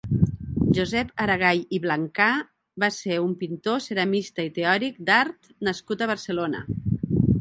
Josep Aragay i Blanchar va ser un pintor, ceramista i teòric d'art nascut a Barcelona.